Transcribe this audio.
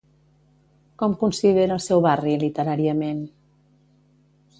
Com considera el seu barri literàriament?